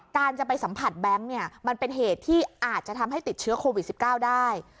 การจะไปสัมผัสแบงค์เนี่ยมันเป็นเหตุที่อาจจะทำให้ติดเชื้อโควิด๑๙ได้